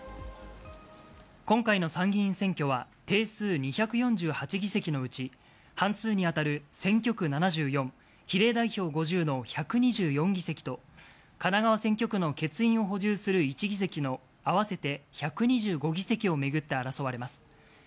今回の参議院選挙は、定数２４８議席のうち、半数に当たる選挙区７４、比例代表５０の１２４議席と、神奈川選挙区の欠員を補充する１議席の合わせて１２５議席を巡って争われます。